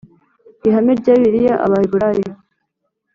Ihame rya Bibiliya Abaheburayo